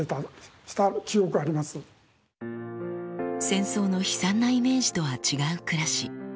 戦争の悲惨なイメージとは違う暮らし。